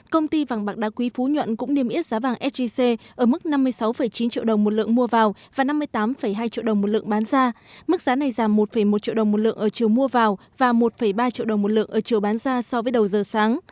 công ty vàng bạc đá quý phú nhuận cũng niêm yết giá vàng sgc ở mức năm mươi sáu chín triệu đồng một lượng mua vào và năm mươi tám hai triệu đồng một lượng bán ra mức giá này giảm một một triệu đồng một lượng ở chiều mua vào và một ba triệu đồng một lượng ở chiều bán ra so với đầu giờ sáng